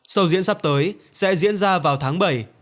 sầu diễn sắp tới sẽ diễn ra vào tháng bảy tại thiết kế vietnews